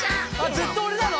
ずっとおれなの？